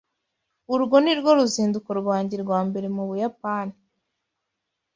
Urwo nirwo ruzinduko rwanjye rwa mbere mu Buyapani.